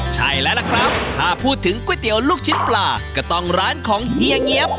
ใช่แล้วล่ะครับถ้าพูดถึงก๋วยเตี๋ยวลูกชิ้นปลาก็ต้องร้านของเฮียเงี๊ยบ